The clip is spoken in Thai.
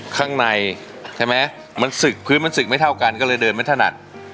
ข้างในใช่ไหมมันศึกพื้นมันศึกไม่เท่ากันก็เลยเดินไม่ถนัด